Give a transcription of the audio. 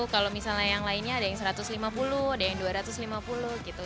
kalau misalnya yang lainnya ada yang satu ratus lima puluh ada yang dua ratus lima puluh gitu